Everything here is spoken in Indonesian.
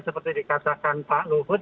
seperti dikatakan pak luhut